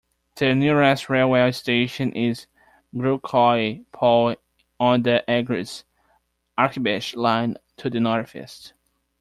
The nearest railway station is Krugloye Pole on the Agryz-Akbash line, to the northeast.